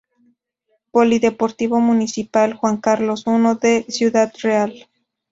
Polideportivo Municipal Juan Carlos I, de Ciudad Real.